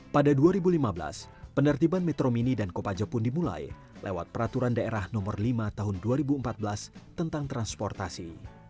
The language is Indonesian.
pada dua ribu lima belas penertiban metro mini dan kopaja pun dimulai lewat peraturan daerah nomor lima tahun dua ribu empat belas tentang transportasi